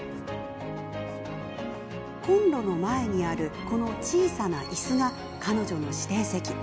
コンロの前にあるこの小さないすが彼女の指定席。